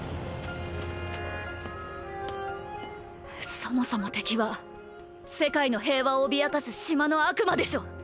そもそも敵は世界の平和を脅かす島の悪魔でしょ？